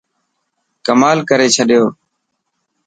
ڪمال ڪاري ڇڏيو.